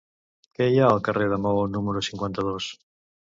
Què hi ha al carrer de Maó número cinquanta-dos?